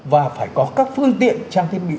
và phải có các phương tiện trang thiết bị